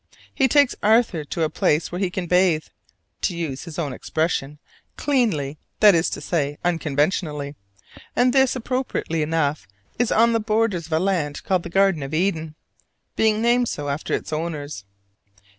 He takes Arthur to a place where he can bathe to use his own expression "cleanly," that is to say, unconventionally; and this appropriately enough is on the borders of a land called "the Garden of Eden" (being named so after its owners).